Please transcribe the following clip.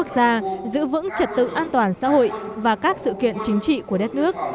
giữ vững trật tự an toàn xã hội và các sự kiện chính trị của đất nước